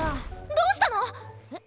どうしたの⁉えっ？